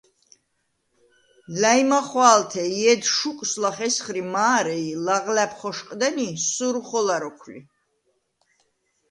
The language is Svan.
ლა̈ჲმახვა̄ლთე ი ჲედ შუკვს ლახ ესხრი მა̄რე ი ლაღლა̈ბ ხოშყდენი, სურუ ხოლა როქვ ლი.